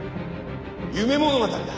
「夢物語だ。